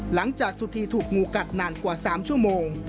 หลังจากสุธีถูกงูกัดนานกว่า๓ชั่วโมง